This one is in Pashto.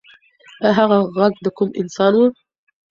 ایا هغه غږ د کوم انسان و؟